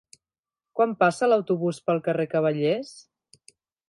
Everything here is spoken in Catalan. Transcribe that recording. Quan passa l'autobús pel carrer Cavallers?